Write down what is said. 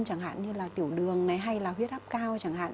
chẳng hạn như là tiểu đường này hay là huyết áp cao chẳng hạn